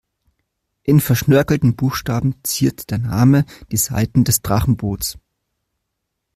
In verschnörkelten Buchstaben ziert der Name die Seiten des Drachenboots.